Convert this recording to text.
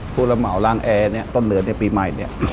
ภูระเหมาร่างแอต้นเหลือในปีใหม่